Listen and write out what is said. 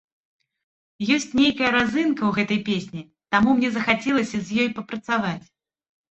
Ёсць нейкая разынка ў гэтай песні, таму мне захацелася з ёй папрацаваць.